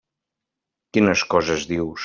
Quines coses dius!